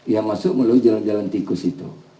yang masuk melalui jalan jalan tikus itu